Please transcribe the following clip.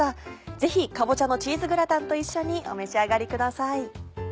ぜひ「かぼちゃのチーズグラタン」と一緒にお召し上がりください。